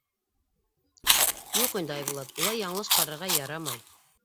— Юҡ инде, Айбулат, улай яңылыш ҡарарға ярамай.